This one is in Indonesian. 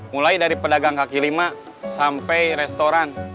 mulai dari pedagang kaki lima sampai restoran